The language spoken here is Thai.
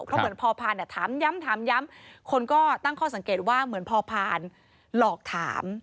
เพราะเหมือนพอพานถามย้ำถามย้ำคนก็ตั้งข้อสังเกตว่าเหมือนพอพานหลอกถาม